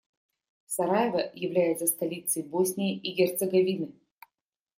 Сараево является столицей Боснии и Герцеговины.